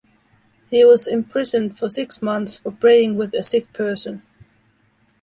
He was imprisoned for six months for praying with a sick person.